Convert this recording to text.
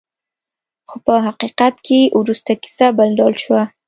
خو په حقیقت کې وروسته کیسه بل ډول شوه.